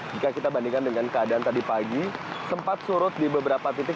jika kita bandingkan dengan keadaan tadi pagi sempat surut di beberapa titik